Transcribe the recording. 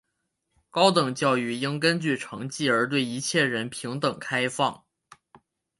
高等教育应根据成绩而对一切人平等开放。